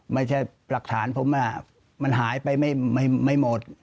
ไม่ใช่หลักฐานผมมันหายไปไม่หมด